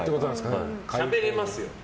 しゃべれますよ。